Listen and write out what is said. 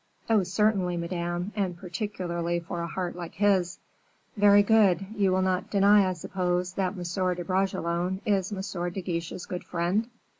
"Oh, certainly, Madame; and particularly for a heart like his." "Very good; you will not deny, I suppose, that M. de Bragelonne is M. de Guiche's good friend?"